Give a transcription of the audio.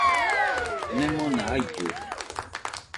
Nemona jaillude.